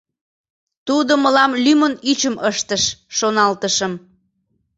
Тудо мылам лӱмын ӱчым ыштыш шоналтышым.